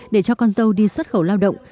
để cho con dâu đi xuất khẩu lao động